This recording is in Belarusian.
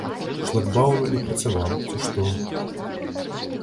Шлагбаум не працаваў, ці што.